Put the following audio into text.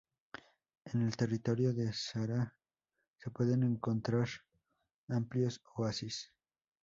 En el territorio de Sharjah se pueden encontrar amplios oasis.